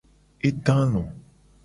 E do alo.